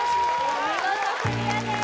お見事クリアです